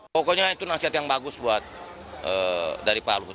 pokoknya itu nasihat yang bagus buat dari pak luhut